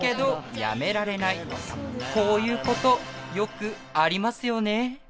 こういうことよくありますよね。